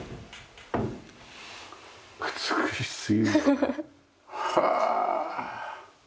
美しすぎるへえ。